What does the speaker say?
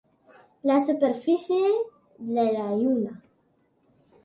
La superfície de la lluna.